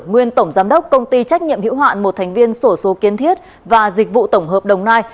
nguyên tổng giám đốc công ty trách nhiệm hiệu hoạn một thành viên sổ số kiên thiết và dịch vụ tổng hợp đồng nai